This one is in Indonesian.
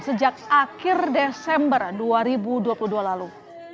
sejak akhir desember dua ribu dua puluh dua lalu